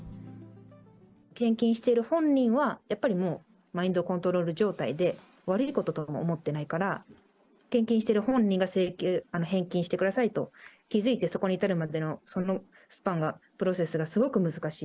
献金している本人は、やっぱりもう、マインドコントロール状態で、悪いこととも思ってないから、献金してる本人が請求、返金してくださいと気付いてそこに至るまでのそのスパンが、プロセスがすごく難しい。